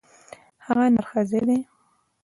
هغه نرښځی دی.